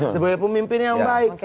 sebagai pemimpin yang baik